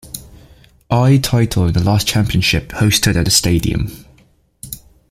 I title in the last championship hosted at the stadium.